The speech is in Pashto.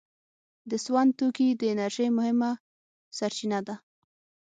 د سون توکي د انرژۍ مهمه سرچینه ده.